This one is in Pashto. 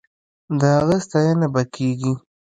د هغه ستاينه به کېږي.